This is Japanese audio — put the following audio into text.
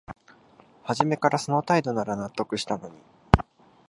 はじめからその態度なら納得したのに